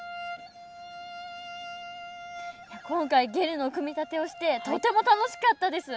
今回ゲルの組み立てをしてとても楽しかったです。